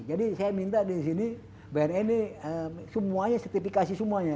jadi saya minta di sini bnn ini semuanya setifikasi semuanya